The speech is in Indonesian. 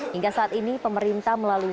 hingga saat ini pemerintah melalui